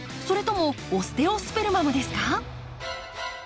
それともオステオスペルマムですか？